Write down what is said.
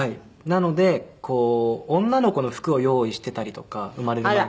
なのでこう女の子の服を用意していたりとか生まれる前。